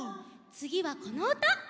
つぎはこのうた。